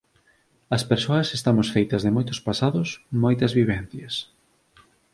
As persoas estamos feitas de moitos pasados, moitas vivencias.